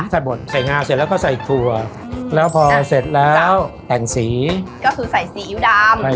ใช้หมดใส่งาเสร็จเราก็ใส่กลัวแล้วพอเสร็จแล้วใส่งาเสียวดำ